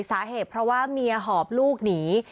สาเหตุเพราะว่าเมียหอบลูกหนี